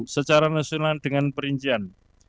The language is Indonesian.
secara nasional dengan perincian